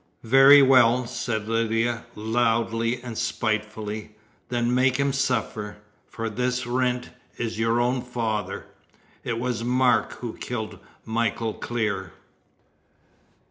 "Very well," said Lydia, loudly and spitefully, "then make him suffer, for this Wrent is your own father! It was Mark who killed Michael Clear!"